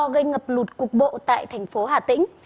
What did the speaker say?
gây ngập lụt cục bộ tại thành phố hà tĩnh